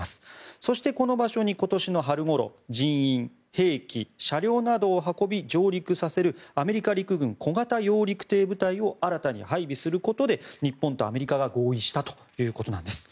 そして、この場所に今年の春ごろ人員、兵器、車両などを運び上陸させるアメリカ陸軍小型揚陸艇部隊を新たに配備することで日本とアメリカが合意したということなんです。